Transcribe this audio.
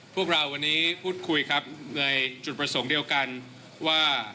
พวกเราวันนี้พูดคุยครับในจุดประสงค์เดียวกันว่า